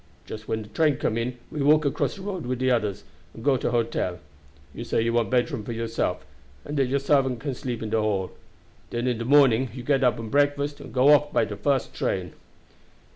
Just when the train come in we walk across de road wid the others and go to hotel. You say you want bedroom for yo'self, and that your sarvant can sleep in de hall. Den in de morning you get up and breakfast, and go off by de fust train."